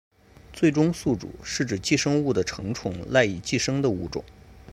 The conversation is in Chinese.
最终宿主是指寄生物的成虫赖以寄生的物种。